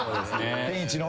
天一の。